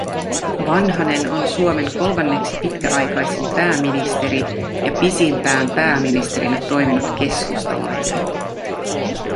Vanhanen on Suomen kolmanneksi pitkäaikaisin pääministeri ja pisimpään pääministerinä toiminut keskustalainen